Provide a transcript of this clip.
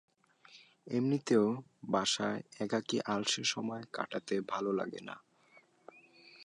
এমনিতেও বাসায় একাকী আলসে সময় কাটাতে ভালো লাগে না।